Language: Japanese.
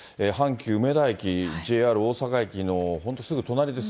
阪急梅田駅、ＪＲ大阪駅の本当、すぐ隣です。